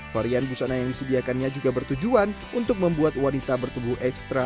varian busana yang disediakannya juga bertujuan untuk membuat wanita bertubuh ekstra